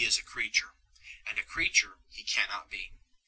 273 creature ; and a creature He can not be 1